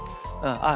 あっ！